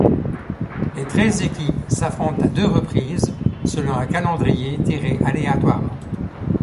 Les treize équipes s'affrontent à deux reprises selon un calendrier tiré aléatoirement.